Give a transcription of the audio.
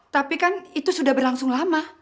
tapi kan itu sudah berlangsung lama